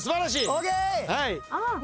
ＯＫ！